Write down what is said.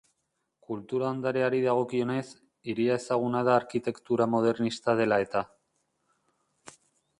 Kultura ondareari dagokionez, hiria ezaguna da arkitektura modernista dela-eta.